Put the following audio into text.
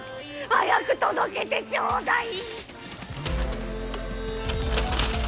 早く届けてちょうだい！